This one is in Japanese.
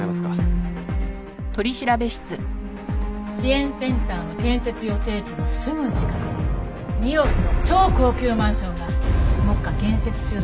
支援センターの建設予定地のすぐ近くで２億の超高級マンションが目下建設中だそうね。